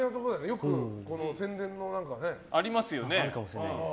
よく、宣伝のね。